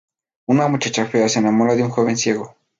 Una muchacha fea se enamora de un joven ciego.